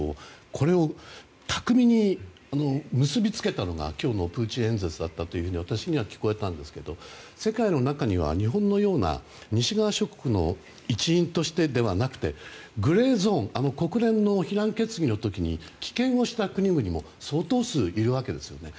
これを巧みに結びつけたのが今日のプーチン演説だったと私には聞こえたんですが世界の中には日本のような西側諸国の一員としてではなくてグレーゾーン国連の非難決議の時に棄権をした国々も相当数いるわけですよね。